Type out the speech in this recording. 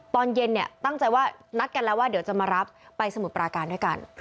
ตอนเย็นเนี่ยตั้งใจว่านัดกันแล้วว่าเดี๋ยวจะมารับไปสมุทรปราการด้วยกัน